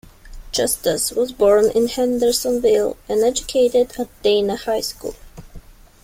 Justus was born in Hendersonville and educated at Dana High School.